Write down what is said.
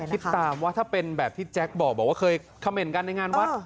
คิดตามว่าถ้าเป็นแบบที่แจ๊คบอกว่าเคยคำเมนต์กันในงานวัด